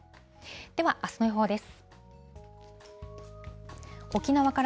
では、あすの予報です。